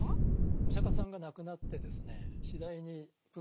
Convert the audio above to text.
お釈迦さんが亡くなってですね